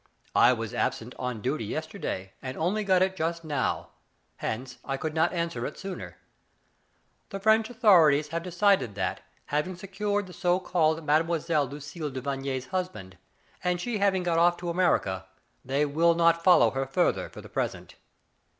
I was absent on duty yesterday, and only got it just now. Hence I could not answer it sooner. The French authorities have de cided that, having secured the so called Mme. Lucille de Vigny's husband, and she having got off to America, they will not follow her further for the present.